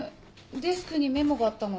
デスクにメモがあったので。